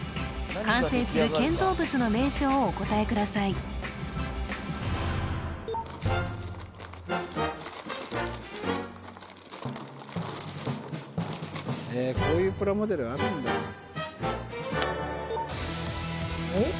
完成する建造物の名称をお答えくださいへえこういうプラモデルあるんだうん？